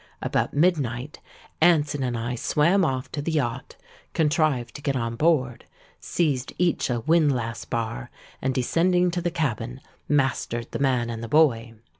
About midnight, Anson and I swam off to the yacht, contrived to get on board, seized each a windlass bar, and, descending to the cabin, mastered the man and the boy.